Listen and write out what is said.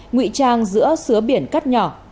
ngụy trang giữa sứa biển cắt nhỏ